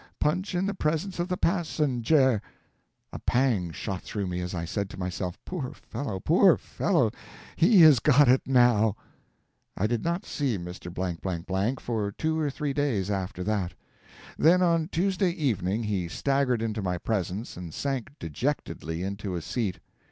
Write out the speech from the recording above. Punch in the presence of the passenjare!" A pang shot through me as I said to myself, "Poor fellow, poor fellow! he has got it, now." I did not see Mr. for two or three days after that. Then, on Tuesday evening, he staggered into my presence and sank dejectedly into a seat.